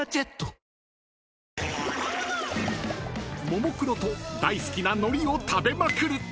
［ももクロと大好きなのりを食べまくる］